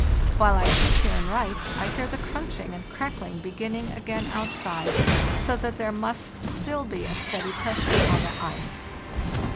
While I sit here and write I hear the crunching and crackling beginning again outside, so that there must still be a steady pressure on the ice.